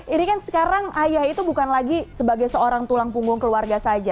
ini kan sekarang ayah itu bukan lagi sebagai seorang tulang punggung keluarga saja